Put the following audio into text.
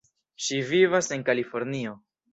Ŝi vivas en Kalifornio.